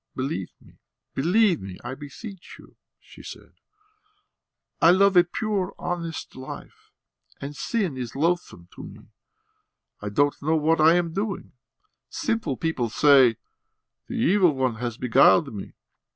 "Believe me, believe me, I beseech you ..." she said. "I love a pure, honest life, and sin is loathsome to me. I don't know what I am doing. Simple people say: 'The Evil One has beguiled me.'